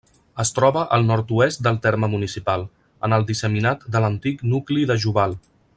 Es troba al nord-oest del terme municipal, en el disseminat de l'antic nucli de Joval.